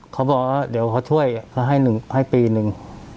เขาบอกว่าเดี๋ยวเขาช่วยเขาให้ปีหนึ่ง